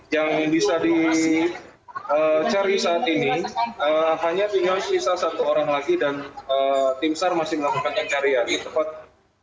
yang bisa dicari saat ini hanya tinggal sisa satu orang lagi dan tim sar masih melakukan pencarian